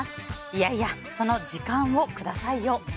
いやいや、その時間をくださいよ。